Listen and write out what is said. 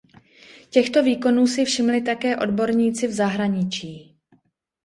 Těchto výkonů si všimli také odborníci v zahraničí.